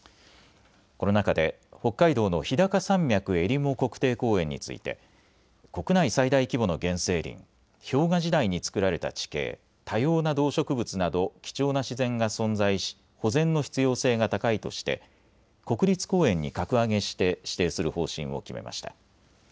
この中で北海道の日高山脈襟裳国定公園について国内最大規模の原生林、氷河時代に作られた地形、多様な動植物など貴重な自然が存在し保全の必要性が高いとして国立公園に格上げして指定する方針を決めました。